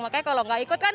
makanya kalau nggak ikut kan